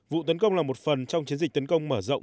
vụ tấn công là một phần trong chiến dịch tấn công mở rộng